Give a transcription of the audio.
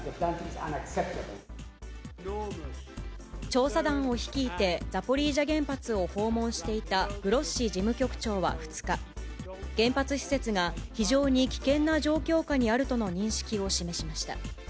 調査団を率いてザポリージャ原発を訪問していたグロッシ事務局長は２日、原発施設が非常に危険な状況下にあるとの認識を示しました。